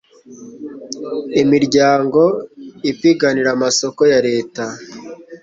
imiryango ipiganira amasoko ya leta